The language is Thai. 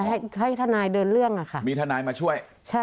ให้ทนายเดินเรื่องค่ะใช่ค่ะมีทนายมาช่วย